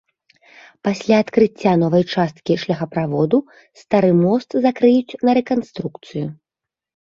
Пасля адкрыцця новай часткі шляхаправода стары мост закрыюць на рэканструкцыю.